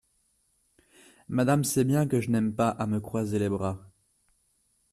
Madame sait bien que je n’aime pas à me croiser les bras…